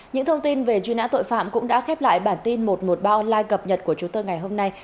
những thông tin về truy nã tội phạm cũng đã khép lại bản tin một trăm một mươi ba online cập nhật của chúng tôi ngày hôm nay